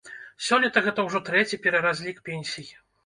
Сёлета гэта ўжо трэці пераразлік пенсій.